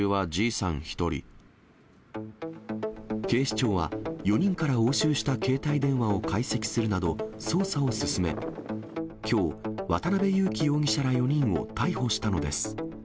警視庁は、４人から押収した携帯電話を解析するなど捜査を進め、きょう、渡辺優樹容疑者ら４人を逮捕したのです。